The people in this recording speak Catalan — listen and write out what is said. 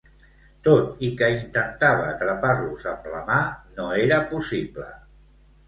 Tot i que intentava atrapar-los amb la mà, no era possible.